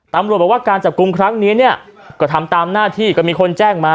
ตำรวจบอกว่าการจับกลุ่มครั้งนี้เนี่ยก็ทำตามหน้าที่ก็มีคนแจ้งมา